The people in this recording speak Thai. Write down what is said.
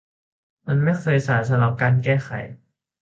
มันไม่เคยสายสำหรับการแก้ไข